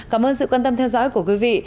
cảm ơn sự quan tâm theo dõi của quý vị